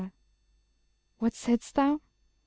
What said'st thou? ...